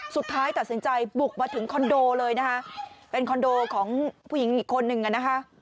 สุดท้ายตัดสินใจบุกมาถึงคอนโดเลยนะคะเป็นคอนโดของผู้หญิงอีกคนนึงอ่ะนะคะ